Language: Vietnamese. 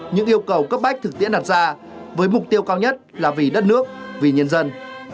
những yêu cầu cấp bách thực tiễn đặt ra với mục tiêu cao nhất là vì đất nước vì nhân dân